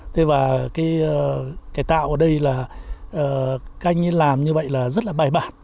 thế và cái cải tạo ở đây là các anh ấy làm như vậy là rất là bài bản